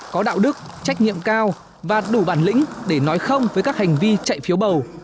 có đạo đức trách nhiệm cao và đủ bản lĩnh để nói không với các hành vi chạy phiếu bầu